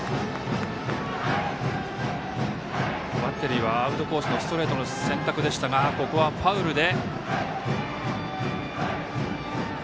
バッテリーはアウトコースのストレートの選択でしたが、ここはファウルで。